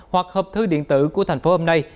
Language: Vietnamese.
hoặc hợp thư điện tử của thành phố hôm nay